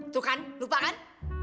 tuh kan lupa kan